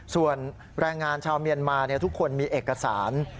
ส่วนแรงงานชาวเมียนมาทุกคนมีเอกสาร